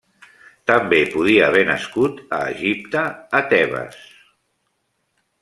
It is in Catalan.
També podia haver nascut a Egipte, a Tebes.